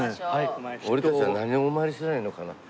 俺たちは何をお参りすればいいのかな？